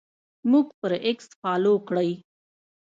موږ پر اکس فالو کړئ